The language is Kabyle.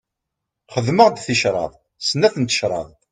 Xedmeɣ-d ticraḍ, snat n tecraḍ.